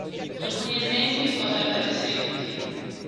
Alcuni esempi potrebbero essere utili.